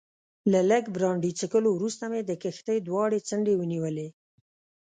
له لږ برانډي څښلو وروسته مې د کښتۍ دواړې څنډې ونیولې.